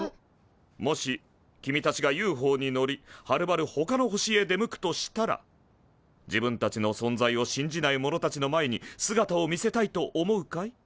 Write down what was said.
もし君たちがＵＦＯに乗りはるばるほかの星へ出向くとしたら自分たちの存在を信じない者たちの前に姿を見せたいと思うかい？